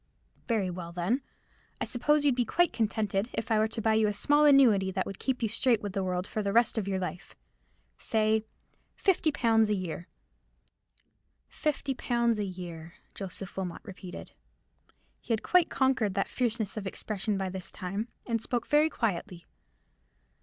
"Very well, then. I suppose you'd be quite contented if I were to buy you a small annuity, that would keep you straight with the world for the rest of your life. Say, fifty pounds a year." "Fifty pounds a year," Joseph Wilmot repeated. He had quite conquered that fierceness of expression by this time, and spoke very quietly.